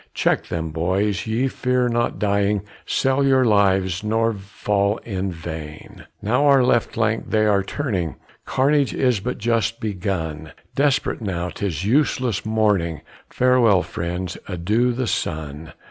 Check them, boys, ye fear not dying, Sell your lives, nor fall in vain. Now our left flank they are turning; Carnage is but just begun; Desperate now, 'tis useless mourning, Farewell, friends, adieu the sun!